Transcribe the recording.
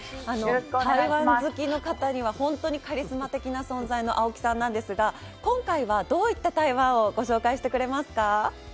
台湾好きの方には本当にカリスマ的な存在の青木さんなんですが、今回はどういった台湾をご紹介してくれますか？